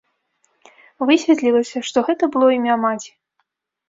Высветлілася, што гэта было імя маці.